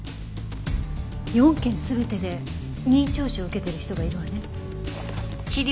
４件全てで任意聴取を受けている人がいるわね。